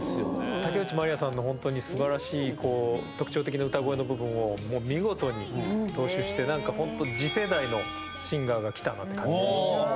竹内まりやさんの本当にすばらしい、特徴的な歌声の部分を、もう見事に踏襲して、なんか本当、次世代のシンガーがきたなっていう感じです。